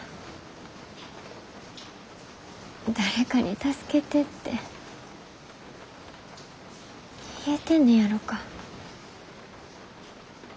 誰かに助けてって言えてんねやろか。